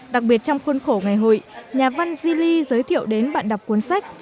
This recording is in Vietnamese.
đặc biệt trong khuôn khổ ngày hội nhà văn zili giới thiệu đến bạn đọc cuốn sách